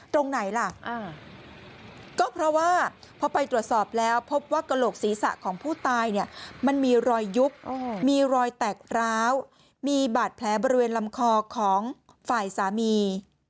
ตรงไหนล่ะก็เพราะว่าพอไปตรวจสอบแล้วพบว่ากระโหลกศีรษะของผู้ตายเนี่ยมันมีรอยยุบมีรอยแตกร้าวมีบาดแผลบริเวณลำคอของฝ่ายสามี